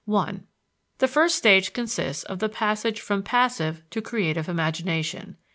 1. The first stage consists of the passage from passive to creative imagination.